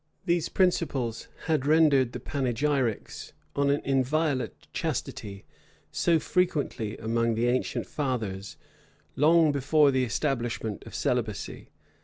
These principles had rendered the panegyrics on an inviolate chastity so frequent among the ancient fathers, long before the establishment of celibacy.